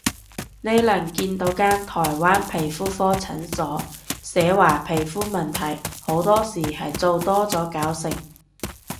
呢輪見到間台灣皮膚科診所，寫話皮膚問題好多時係做多咗搞成